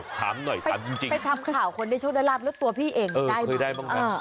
ไปทำข่าวคนได้โชคได้ลาบแล้วตัวพี่เองได้บ้าง